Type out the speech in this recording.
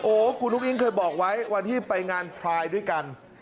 โอ้โหคุณอุ้งอิ๊งเคยบอกไว้วันที่ไปงานพลายด้วยกัน